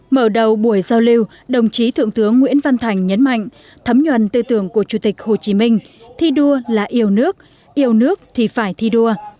mở đầu buổi giao lưu đồng chí thượng tướng nguyễn văn thành nhấn mạnh thấm nhuận tư tưởng của chủ tịch hồ chí minh thi đua là yêu nước yêu nước thì phải thi đua